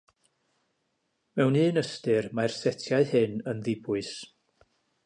Mewn un ystyr, mae'r setiau hyn yn ddibwys.